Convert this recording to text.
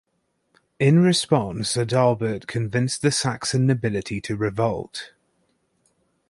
In response, Adalbert convinced the Saxon nobility to revolt.